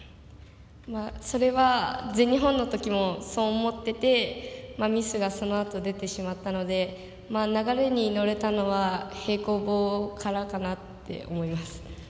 それは全日本のときもそう思っててミスがそのあと出てしまったので流れに乗れたのは平行棒からかなと思います。